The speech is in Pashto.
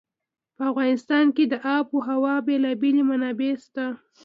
په افغانستان کې د آب وهوا بېلابېلې منابع شته.